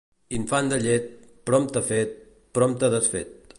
Infant de llet, prompte fet, prompte desfet.